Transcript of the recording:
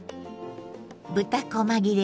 豚こま切れ